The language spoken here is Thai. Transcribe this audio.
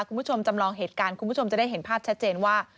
คุณผู้ชมจำลองเหตุการณ์คุณผู้ชมจะได้เห็นภาพชัดเจนว่า